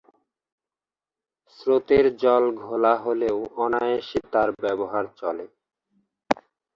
স্রোতের জল ঘোলা হলেও অনায়াসে তার ব্যবহার চলে।